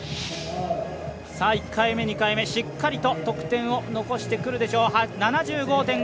１回目、２回目、しっかりと得点を残してくるでしょう